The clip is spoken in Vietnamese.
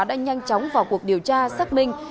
đã nhanh chóng vào cuộc điều tra xác minh